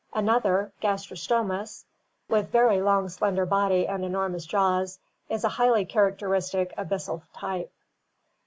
Another, Gastrostomus (Fig. 96,C), with very long, slender body and enormous jaws, is a highly characteristic abyssal type.